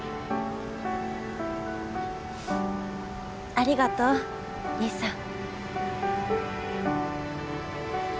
ありがとう兄さん。